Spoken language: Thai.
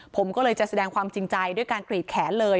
ผมก็เลยจะแสดงความจริงใจด้วยการกรีดแขนเลย